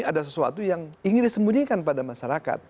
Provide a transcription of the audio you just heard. ada sesuatu yang ingin disembunyikan pada masyarakat